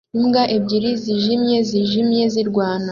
Imbwa ebyiri zijimye zijimye zirwana